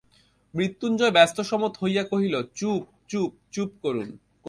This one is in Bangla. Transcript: মৃত্যুঞ্জয় ব্যস্তসমস্ত হইয়া কহিল, চুপ, চুপ, চুপ করুন!